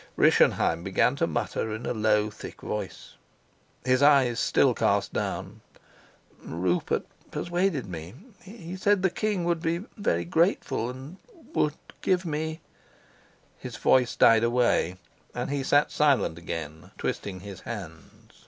Rischenheim began to mutter in a low thick voice, his eyes still cast down: "Rupert persuaded me. He said the king would be very grateful, and would give me " His voice died away, and he sat silent again, twisting his hands.